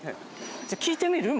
じゃあ聞いてみる？